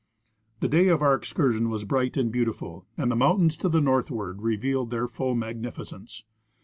The day of our excur sion was bright and beautiful, and the mountains to the north ward revealed their full magnificence.